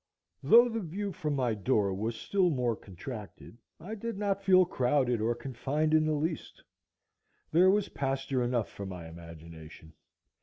Though the view from my door was still more contracted, I did not feel crowded or confined in the least. There was pasture enough for my imagination.